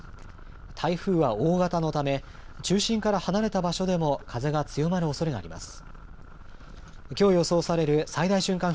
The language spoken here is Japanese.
台風は大型のため中心から離れた場所でも風が強まるおそれがあります。